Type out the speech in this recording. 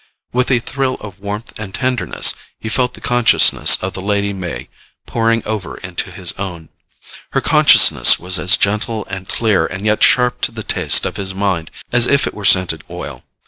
With a thrill of warmth and tenderness, he felt the consciousness of the Lady May pouring over into his own. Her consciousness was as gentle and clear and yet sharp to the taste of his mind as if it were scented oil.